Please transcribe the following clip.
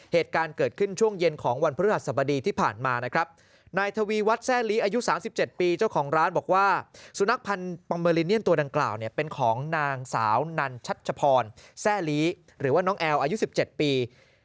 เหตุการณ์เกิดขึ้นช่วงเย็นของวันพฤหัสบดีที่ผ่านมานะครับนายทวีวัฒน์แซ่ลีอายุ๓๗ปีเจ้าของร้านบอกว่าสุนัขพันธ์ปองเมอลิเนียนตัวดังกล่าวเนี่ยเป็นของนางสาวนันชัชพรแซ่ลีหรือว่าน้องแอลอายุ๑๗ปี